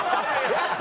やった！